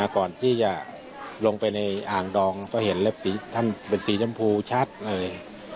ก่อนที่จะลงไปในอ่างดองก็เห็นเล็บสีท่านเป็นสีชมพูชัดเลย